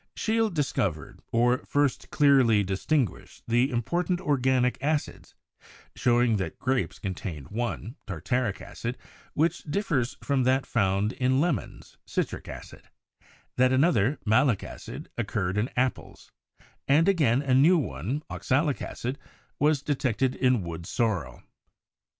Scheele discovered, or first clearly distinguished, the important organic acids, showing that grapes contained one (tartaric acid) which differs from that found in lemons (citric acid) ; that another (malic acid) occurred in apples, and again a new one (oxalic acid) was detected in wood sorrel.